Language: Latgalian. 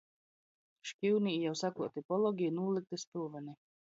Škiunī jau sakluoti pologi i nūlykti spylvyni.